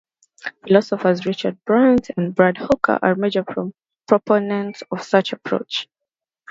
Philosophers Richard Brandt and Brad Hooker are major proponents of such approach.